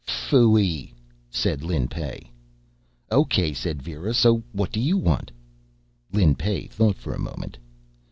"Phooey!" said Lin Pey. "O.K.," said Vera, "so what do you want?" Lin Pey thought for a moment.